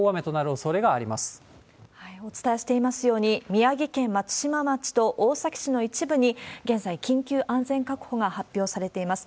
お伝えしていますように、宮城県松島町と大崎市の一部に現在、緊急安全確保が発表されています。